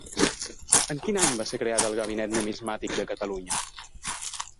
En quin any va ser creat el Gabinet Numismàtic de Catalunya?